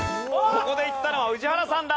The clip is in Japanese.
ここでいったのは宇治原さんだ！